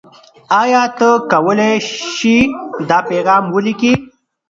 آیا ته کولای شې دا پیغام ولیکې؟